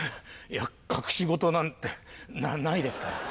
いや隠し事なんてなないですから。